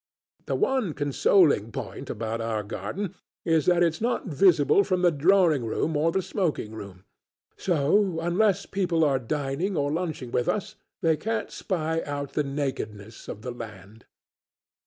The one consoling point about our garden is that it's not visible from the drawing room or the smoking room, so unless people are dinning or lunching with us they can't spy out the nakedness of the land.